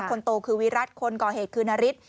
คนโตคือวิรัติคนก่อเหตุคือนาริส